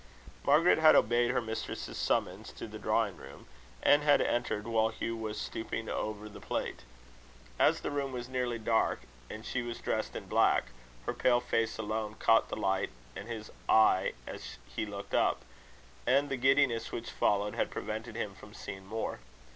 Margaret had obeyed her mistress's summons to the drawing room, and had entered while Hugh was stooping over the plate. As the room was nearly dark, and she was dressed in black, her pale face alone caught the light and his eye as he looked up, and the giddiness which followed had prevented him from seeing more.